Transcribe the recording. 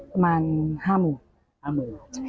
ประมาณ๕หมู่